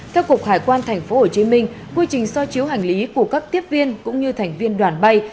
theo cục hải quan tp hcm quy trình so chiếu hành lý của các tiếp viên cũng như thành viên đoàn bay